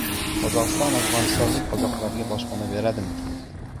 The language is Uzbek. Qozog‘iston afg‘onistonlik qozoqlarga boshpana beradimi?